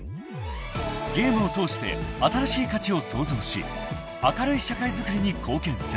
［ゲームを通して新しい価値を創造し明るい社会づくりに貢献する］